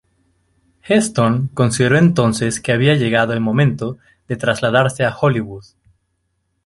Heston consideró entonces que había llegado el momento de trasladarse a Hollywood.